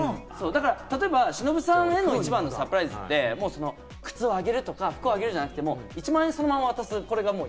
例えば忍さんへの一番のサプライズって、靴をあげるとか、服をあげるじゃなくて、１万円を渡す。